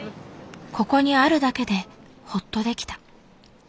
ここにあるだけでホッとできた。